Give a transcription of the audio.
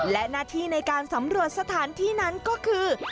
และหน้าที่ในการสำรวจสถานที่นั้นก็คือ